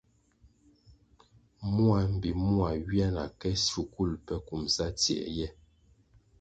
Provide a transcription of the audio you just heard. Mua mbpi mua ywia na ke shukul pe kumʼsa tsie ye.